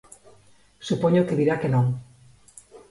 Supoño que dirá que non.